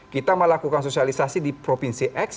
kita melakukan sosialisasi di provinsi x